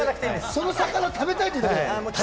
その魚食べたいということだね。